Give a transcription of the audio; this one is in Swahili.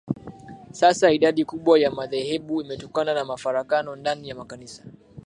sasa idadi kubwa ya madhehebu imetokana na mafarakano ndani ya makanisa